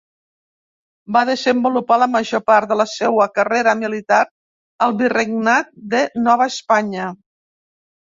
Va desenvolupar la major part de la seua carrera militar al virregnat de Nova Espanya.